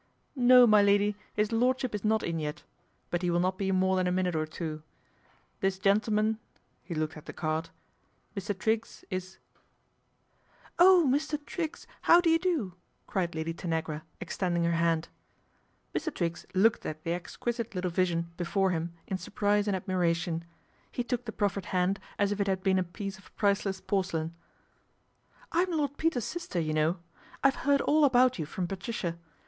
" No, my lady, his Lordship is not in yet ; but he will not be more than a minute or two. This gentleman," he looked at the card, " Mr. Triggs, ic____" " Oh, Mr. Triggs, how do you do ?" cried Lady Tanagra, extending her hand. Mr. Triggs looked at the exquisite little vision before him in surprise and admiration. He took the proffered hand as if it had been a piece of priceless porcelain. "I'm Lord Peter's sister, you know. I've heard all about you from Patricia.